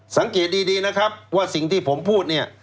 สังเกตดีนะครับว่าสิ่งที่ผมพูดเนี่ย